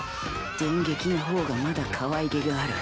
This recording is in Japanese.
電撃の方がまだかわいげがある。